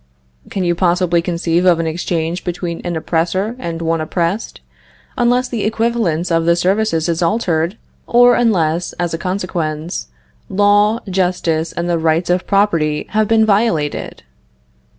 Can you possibly conceive of an exchange between an oppressor and one oppressed, unless the equivalence of the services is altered, or unless, as a consequence, law, justice, and the rights of property have been violated?